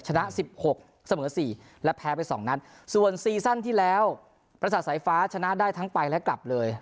ชนะ๑๖เสมอ๔และแพ้ไป๒นัดส่วนซีซั่นที่แล้วประสาทสายฟ้าชนะได้ทั้งไปและกลับเลย